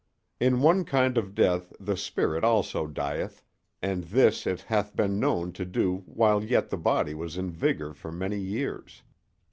In one kind of death the spirit also dieth, and this it hath been known to do while yet the body was in vigor for many years.